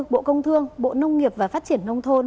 bộ công thương bộ nông nghiệp và phát triển nông thôn